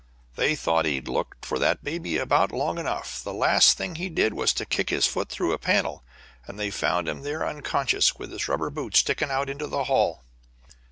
They thought he'd looked for that baby about long enough. The last thing he did was to kick his foot through a panel, and they found him there unconscious, with his rubber boot sticking out into the hall.